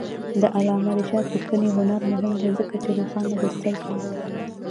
د علامه رشاد لیکنی هنر مهم دی ځکه چې روښانه بستر جوړوي.